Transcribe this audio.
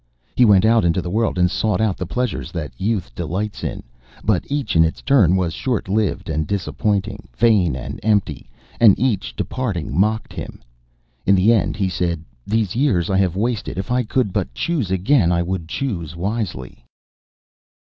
He went out into the world and sought out the pleasures that youth delights in. But each in its turn was short lived and disappointing, vain and empty; and each, departing, mocked him. In the end he said: "These years I have wasted. If I could but choose again, I would choose wisely."